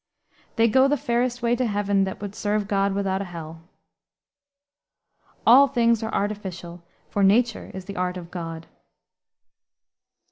"They go the fairest way to heaven, that would serve God without a hell." "All things are artificial, for Nature is the art of God."